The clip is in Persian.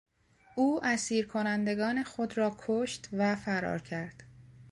او اسیر کنندگان خود را کشت و فرار کرد.